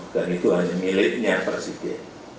dan itu hanya miliknya presiden